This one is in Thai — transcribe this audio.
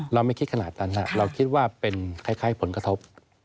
ไม่คิดขนาดนั้นเราคิดว่าเป็นคล้ายผลกระทบ